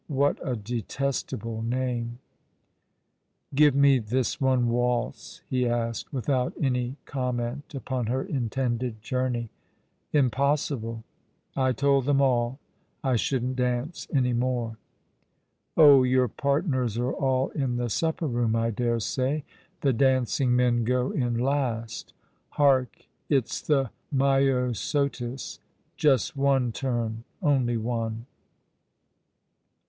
What a detestable name !"" Give me this one waltz ?" he asked, without any com ment upon her intended journey. "Impossible. I told them ail I shouldn't dance any more." " Oh, your partners are all in the supper room, I dare say. The dancing men go in last. Hark ! it's the Myosotis. Just one turn — only one."